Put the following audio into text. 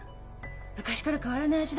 昔から変わらない味だもんね。